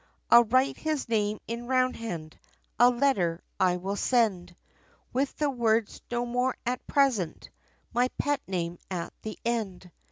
I'll write his name, in roundhand, A letter, I will send, With the words "no more at present" My pet name, at the end.